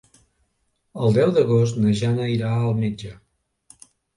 El deu d'agost na Jana irà al metge.